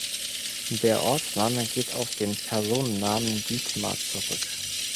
Der Ortsname geht auf den Personennamen Dietmar zurück.